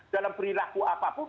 dalam perilaku apapun